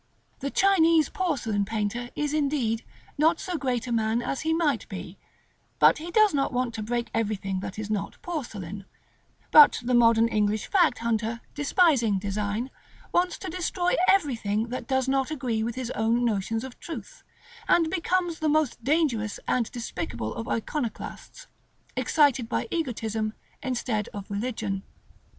The Chinese porcelain painter is, indeed, not so great a man as he might be, but he does not want to break everything that is not porcelain; but the modern English fact hunter, despising design, wants to destroy everything that does not agree with his own notions of truth, and becomes the most dangerous and despicable of iconoclasts, excited by egotism instead of religion.